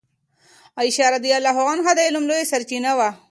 عائشه رضی الله عنها د علم لویه سرچینه وه.